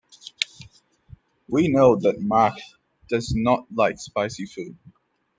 We know that Mark does not like spicy food.